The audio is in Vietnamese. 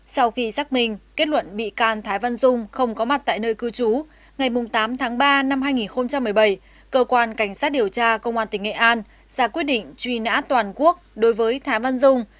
sau khi xác minh kết luận bị can thái văn dung không có mặt tại nơi cư trú ngày tám tháng ba năm hai nghìn một mươi bảy cơ quan cảnh sát điều tra công an tỉnh nghệ an ra quyết định truy nã toàn quốc đối với thái văn dung